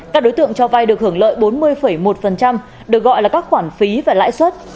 các đối tượng cho vay được hưởng lợi bốn mươi một được gọi là các khoản phí và lãi suất